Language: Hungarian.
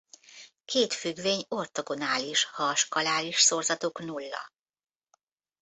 Két függvény ortogonális ha a skaláris szorzatuk nulla.